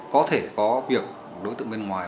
có thể có việc đối tượng bên ngoài